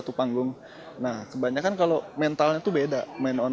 betapa yang partner memberaninya sampai ini vuember emosional